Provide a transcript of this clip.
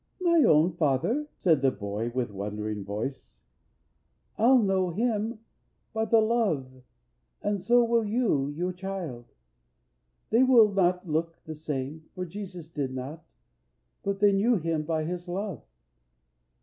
"My own father!" said the boy, With wondering voice, "I'll know him by the love, And so will you your child. They will not look The same, for Jesus did not, but they knew Him by His love."